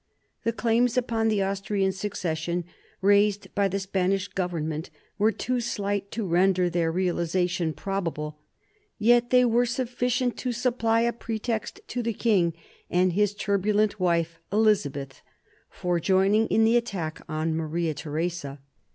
The' claims upon the Austrian succes sion raised by the Spanish Government were too slight to render their realisation probable; yet they were sufficient to supply a pretext to the king and his turbu lent wife Elizabeth for joining in the attack on Maria Theresa.